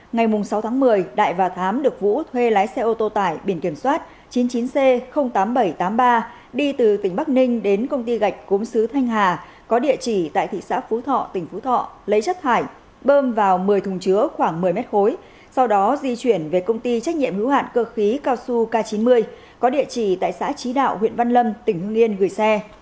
ngày sáu tháng một mươi đại và thám được vũ thuê lái xe ô tô tải biển kiểm soát chín mươi chín c tám nghìn bảy trăm tám mươi ba đi từ tỉnh bắc ninh đến công ty gạch cốm sứ thanh hà có địa chỉ tại thị xã phú thọ tỉnh phú thọ lấy chất thải bơm vào một mươi thùng chứa khoảng một mươi m khối sau đó di chuyển về công ty trách nhiệm hữu hạn cơ khí cao xu k chín mươi có địa chỉ tại xã trí đạo huyện văn lâm tỉnh hương yên gửi xe